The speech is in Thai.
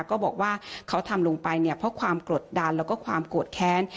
ก็บอกว่าเขาทำลงไปเนี่ยเพราะความกดดันแล้วก็ความโกรธแค้น